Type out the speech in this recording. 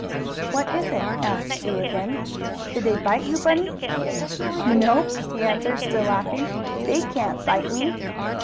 "What is it?" asked Sue again. "Did they bite you, Bunny?" "Nope," he answered, still laughing, "they can't bite me!"